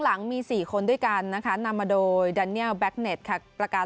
หลังมี๔คนด้วยกันนะคะนำมาโดยแดเนียลแก๊กเน็ตค่ะประการ